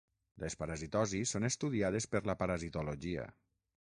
Les parasitosis són estudiades per la parasitologia.